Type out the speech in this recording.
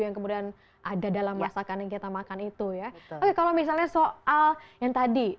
yang kemudian ada dalam masakan yang kita makan itu ya oke kalau misalnya soal yang tadi